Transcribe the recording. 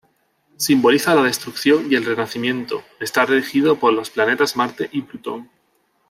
Simboliza la destrucción y el renacimiento, está regido por los planetas Marte y Plutón.